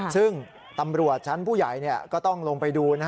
ซึ่งตำรวจชั้นผู้ใหญ่ก็ต้องลงไปดู